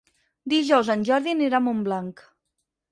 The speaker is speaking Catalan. Dijous en Jordi anirà a Montblanc.